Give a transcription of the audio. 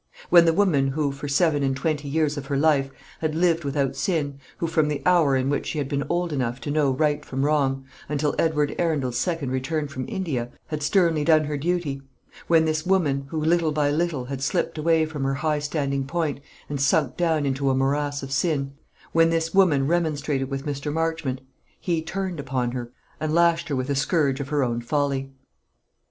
When the woman who, for seven and twenty years of her life, had lived without sin; who from the hour in which she had been old enough to know right from wrong, until Edward Arundel's second return from India, had sternly done her duty, when this woman, who little by little had slipped away from her high standing point and sunk down into a morass of sin; when this woman remonstrated with Mr. Marchmont, he turned upon her and lashed her with the scourge of her own folly.